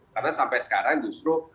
karena sampai sekarang justru